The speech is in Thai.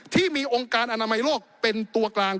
ที่มีองค์การอนามัยโลกเป็นตัวกลาง